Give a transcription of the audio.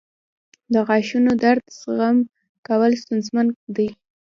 • د غاښونو درد زغم کول ستونزمن دي.